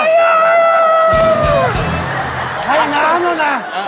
แม่หน้าของพ่อหน้าของพ่อหน้า